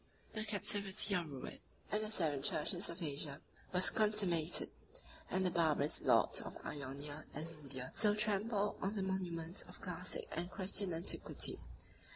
The captivity or ruin of the seven churches of Asia was consummated; and the barbarous lords of Ionia and Lydia still trample on the monuments of classic and Christian antiquity.